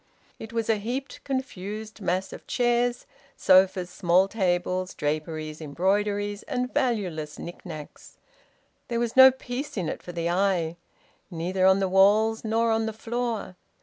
It was a heaped, confused mass of chairs, sofas, small tables, draperies, embroideries, and valueless knick knacks. There was no peace in it for the eye, neither on the walls nor on the floor.